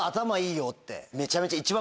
めちゃめちゃ。